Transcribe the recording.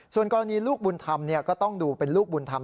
ส่วนกรณีลูกบุญธรรมก็ต้องดูเป็นลูกบุญธรรม